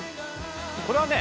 これはね